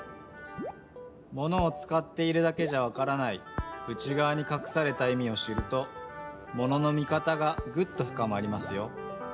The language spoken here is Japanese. ものをつかっているだけじゃわからない内がわにかくされたいみを知るとものの見方がぐっとふかまりますよ。